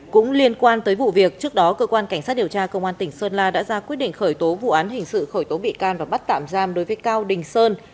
cũng liên quan tới vụ việc trước đó cơ quan cảnh sát điều tra công an tỉnh sơn la đã ra quyết định khởi tố vụ án hình sự khởi tố bị can và bắt tạm giam đối với cao đình sơn